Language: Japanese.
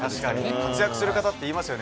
活躍する方っていいますよね。